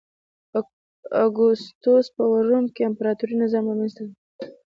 اګوستوس په روم کې امپراتوري نظام رامنځته کړ.